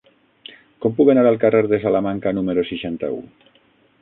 Com puc anar al carrer de Salamanca número seixanta-u?